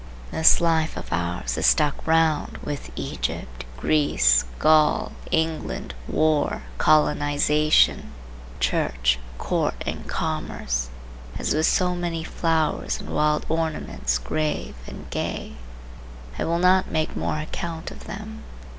This life of ours is stuck round with Egypt, Greece, Gaul, England, War, Colonization, Church, Court and Commerce, as with so many flowers and wild ornaments grave and gay. I will not make more account of them.